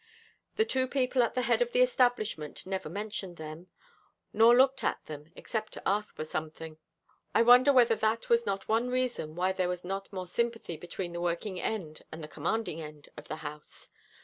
The two people at the head of the establishment never mentioned them, nor looked at them, except to ask for something. I wonder whether that was not one reason why there was not more sympathy between the working end and the commanding end of the house.